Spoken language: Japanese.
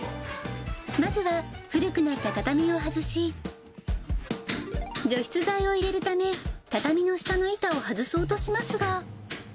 まずは、古くなった畳を外し、除湿剤を入れるため、畳の下の板を外そうとしますが。